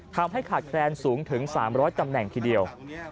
ทำให้ขาดแคลนสูงถึง๓๐๐ตำแหน่งทีเดียว